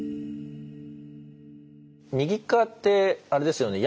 右側ってあれですよね